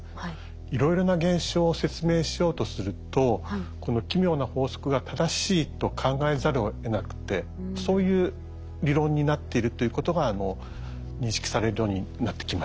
いろいろな現象を説明しようとするとこの奇妙な法則が正しいと考えざるをえなくてそういう理論になっているということが認識されるようになってきました。